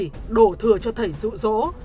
cô diễm my đổ thừa cho thầy rụ rỗ